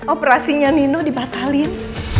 operasinya nino dibatalin